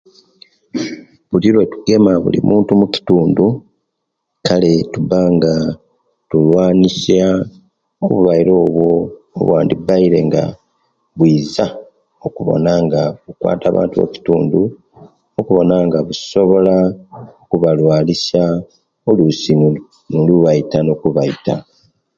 Buli bwetu gema bulimantu mukitundu kale tuba nga tlulwanisiya obulwaire obwo obandi baire nga bwiza okubona nga bukwata abantu okitundu okubona nga busobola okubalwalisiya oluisi nebubaita nokubaita